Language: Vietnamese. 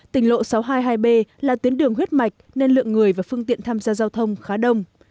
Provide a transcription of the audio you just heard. tỉnh lộ sáu trăm hai mươi hai b là tuyến đường huyết mạch nên lượng người và phương tiện tham gia giao thông khá đông